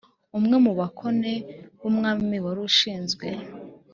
umwe mu bakone b’umwami wari ushinzwe